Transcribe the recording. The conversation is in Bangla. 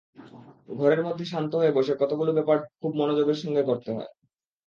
ঘরের মধ্যে শান্ত হয়ে বসে কতগুলো ব্যাপার খুব মনোযোগের সঙ্গে করতে হয়।